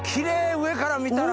上から見たら。